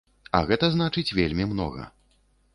А гэта значыць вельмі многа.